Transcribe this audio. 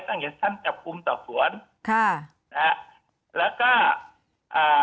ท่านเห็นท่านจับกลุ่มต่อสวนค่ะแล้วก็อ่า